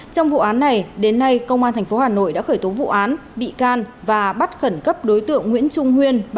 trong vụ án này đến nay công an tp hà nội đã khởi tố vụ án bị can và bắt khẩn cấp đối tượng nguyễn trung huyên